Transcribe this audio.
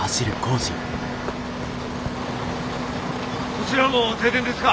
こちらも停電ですか？